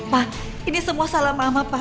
pah ini semua salah mama pah